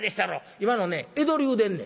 今のね江戸流でんねん」。